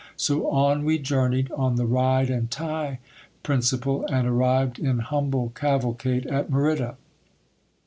So on we journeyed on the ride and tie principle, and arrived in humble cavalcade at Merida.